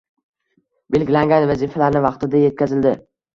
Belgilangan vazifalarni vaqtida yetkazildi.